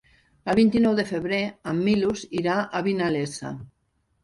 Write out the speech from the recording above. El vint-i-nou de febrer en Milos irà a Vinalesa.